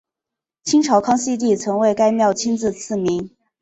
清朝康熙帝曾为该庙亲自赐名。